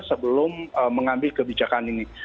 sebelum mengambil kebijakan ini